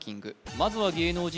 まずは芸能人